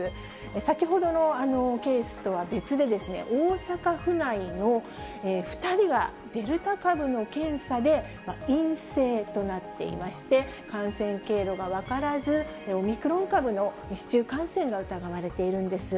先ほどのケースとは別で、大阪府内の２人がデルタ株の検査で陰性となっていまして、感染経路が分からず、オミクロン株の市中感染が疑われているんです。